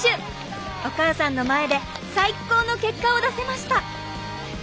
お母さんの前で最高の結果を出せました！